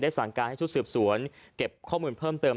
สั่งการให้ชุดสืบสวนเก็บข้อมูลเพิ่มเติม